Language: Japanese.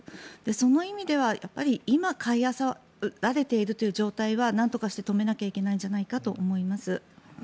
その意味では、今買いあさられているという状態はなんとかして止めなきゃいけないんじゃないかと思います。